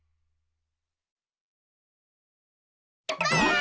ばあっ！